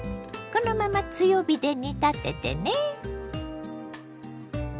このまま強火で煮立ててね。